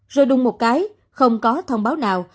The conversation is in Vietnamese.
rồi đung một cái không có thông báo nào